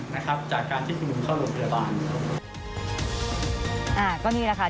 จากการที่ผู้อื่นเข้าหลวงพยาบาล